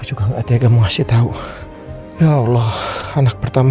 jangan sampai dia kehilangan jejak